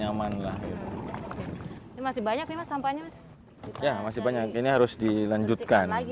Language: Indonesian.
ya masih banyak ini harus dilanjutkan